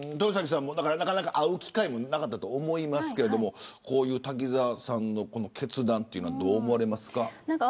なかなか会う機会もなかったと思いますが滝沢さんの決断はどう思われますか。